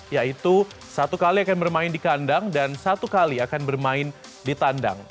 yaitu satu kali akan bermain di kandang dan satu kali akan bermain di tandang